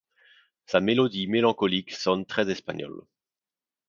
Sa mélodie mélancolique sonne très espagnole.